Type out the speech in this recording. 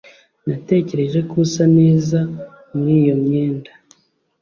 Natekereje ko usa neza muri iyo myenda